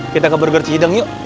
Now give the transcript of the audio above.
kita ke burger cihideng yuk